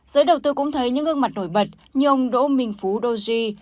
giới đầu tư cũng thấy những gương mặt nổi bật như ông đỗ minh phú đô duy